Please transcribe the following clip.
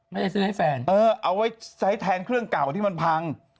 ไม่ได้ซื้อให้แฟนเออเอาไว้ใช้แทนเครื่องเก่าที่มันพัง